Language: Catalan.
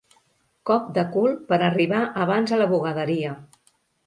Cop de cul per arribar abans a la bugaderia.